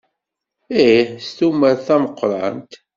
Ih, s tumert tameqqrant.